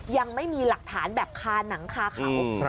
ยังไม่มีหลักฐานแบบคาหนังคาเขา